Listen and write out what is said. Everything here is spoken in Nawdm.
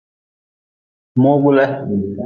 Mogu le.